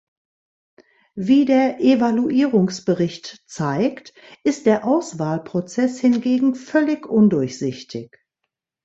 Wie der Evaluierungsbericht zeigt, ist der Auswahlprozess hingegen völlig undurchsichtig.